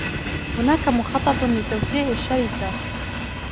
هناك مخطط لتوسيع الشركة.